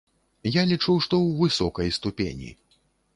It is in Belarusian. Я лічу, што ў высокай ступені.